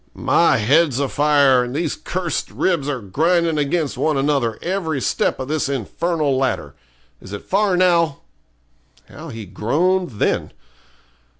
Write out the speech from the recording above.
'My head's a fire, and these cursed ribs are grinding against one another every step of this infernal ladder. Is it far now?' How he groaned then!